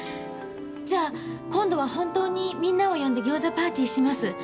じゃあ今度は本当にみんなを呼んで餃子パーティーします。